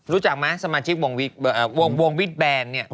รู้จักไหมสมาชิกวงวิทแบนเนี่ย